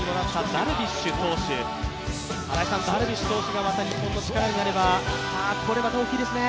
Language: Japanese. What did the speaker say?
ダルビッシュ投手が日本の力になれば、これまた大きいですね。